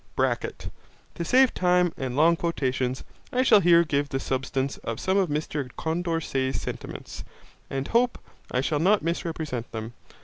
(To save time and long quotations, I shall here give the substance of some of Mr Condorcet's sentiments, and hope I shall not misrepresent them.